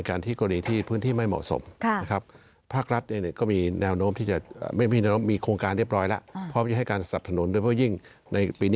ครับสำหรับ